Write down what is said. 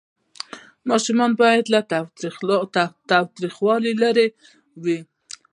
ماشومان باید له تاوتریخوالي لرې وي.